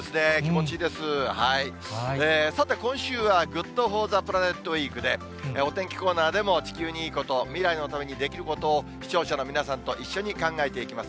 さて、今週はＧｏｏｄＦｏｒｔｈｅＰｌａｎｅｔウイークで、お天気コーナーでも地球にいいこと、未来のためにできることを視聴者の皆さんと一緒に考えていきます。